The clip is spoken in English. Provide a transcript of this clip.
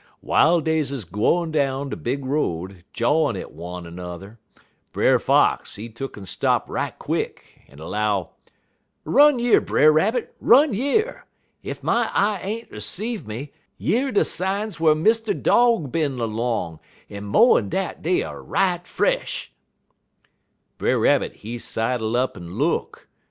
"W'iles dey 'uz gwine down de big road, jawin' at one er 'n'er, Brer Fox, he tuck'n stop right quick, en 'low: "'Run yer, Brer Rabbit! run yer! Ef my eye ain't 'ceive me yer de signs whar Mr. Dog bin 'long, en mo'n dat dey er right fresh.' "Brer Rabbit, he sidle up en look.